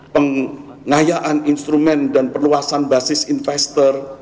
pengayaan instrumen dan perluasan bahasa indonesia